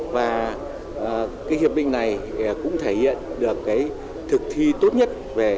và cái hiệp định này cũng thể hiện được thực thi tốt nhất